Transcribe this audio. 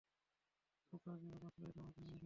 কুজাকু না বাঁচালে হয়তো আমাকেও মেরে ফেলত।